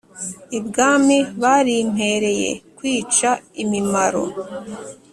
ibwami barimpereye kwica imimaro.